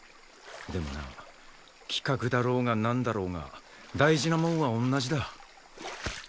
でもな企画だろうがなんだろうが大事なもんは同じだ。